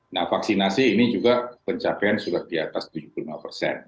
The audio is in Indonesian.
nah vaksinasi ini juga pencapaian sudah di atas tujuh puluh lima persen